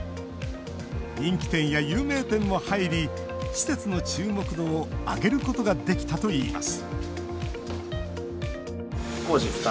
人気店や有名店も入り施設の注目度を上げることができたといいます